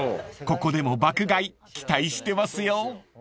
［ここでも爆買い期待してますよ］